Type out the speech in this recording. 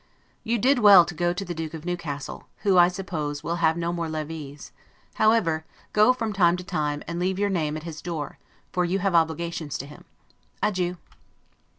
You did well to go to the Duke of Newcastle, who, I suppose, will have no more levees; however, go from time to time, and leave your name at his door, for you have obligations to him. Adieu.